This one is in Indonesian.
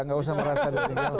nggak usah merasa ditinggalkan